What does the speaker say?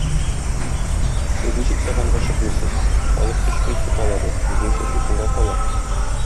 Сез ничек сабанга чыкмыйсыз, халык өч көн сукалады, безнең чәчү соңга кала.